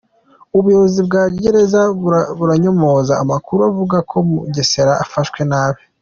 Ubuyobozi bwa Gereza buranyomoza amakuru avuga ko Mugesera afashwe nabi